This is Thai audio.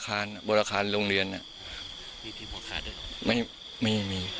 ฐานพระพุทธรูปทองคำ